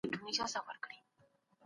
د موضوع تحلیل وخت غواړي.